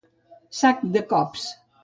Sac dels cops.